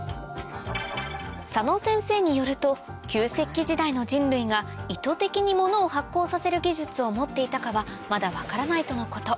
佐野先生によると旧石器時代の人類が意図的に物を発酵させる技術を持っていたかはまだ分からないとのこと